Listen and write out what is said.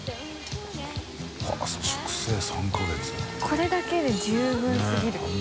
これだけで十分すぎる。ねぇ。